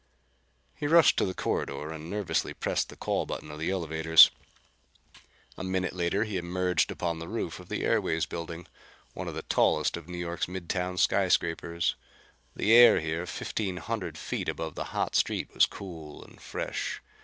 He rushed to the corridor and nervously pressed the call button of the elevators. A minute later he emerged upon the roof of the Airways building, one of the tallest of New York's mid town sky scrapers. The air here, fifteen hundred feet above the hot street, was cool and fresh.